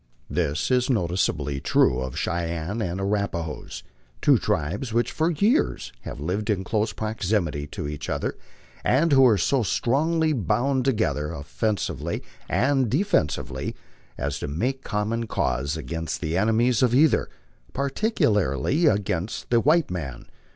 This is noticeably true of Cheyennes and Arra pahoes, two tribes which for years have lived in close proximity to each other, and who are so strongly bound together, offensively and defensively, as to make common cause against the enemies of either, particularly against the white man.